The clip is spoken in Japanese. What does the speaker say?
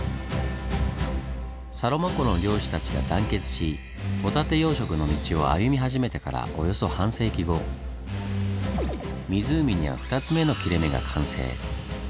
サロマ湖の漁師たちが団結しホタテ養殖の道を歩み始めてからおよそ半世紀後湖には２つ目の切れ目が完成。